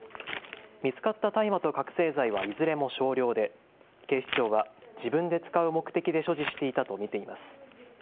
見つかった大麻と覚醒剤はいずれも少量で警視庁は自分で使う目的で所持していたと見ています。